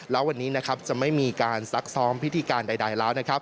แล้ววันนี้จะไม่มีการซักซ้อมพิธีการใดแล้ว